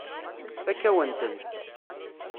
Tfakk-awen-tent.